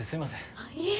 あっいいえ。